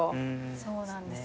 そうなんですよ。